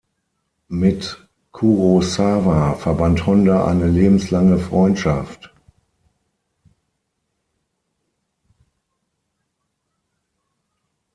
Mit Kurosawa verband Honda eine lebenslange Freundschaft.